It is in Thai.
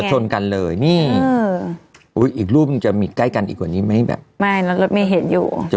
เหมาะมาก